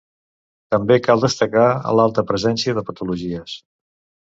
També cal destacar l'alta presència de patologies.